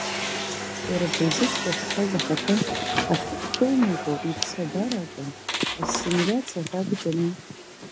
Иара абри зыӡбахә ҳҳәаз ахаҭа ҳахькылнаго иԥсабаратәым ассимилиациахь акәӡами?